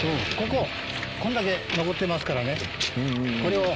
こここんだけ残ってますからね。